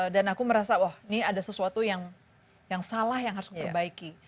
dan aku merasa wah ini ada sesuatu yang salah yang harus kuperbaiki